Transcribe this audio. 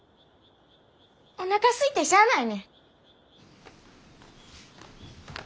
おなかすいてしゃあないねん。